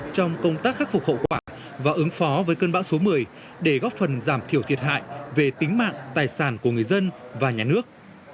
trong công tác khắc phục hậu quả và ứng phó với cơn bão số một mươi để góp phần giảm thiểu thiệt hại về tính mạng tài sản của người dân và nhà nước